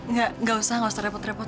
nggak usah nggak usah repot repot